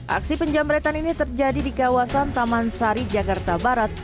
aksi penjamretan ini terjadi di kawasan taman sari jakarta barat